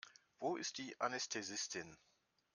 Wo ist die Anästhesistin?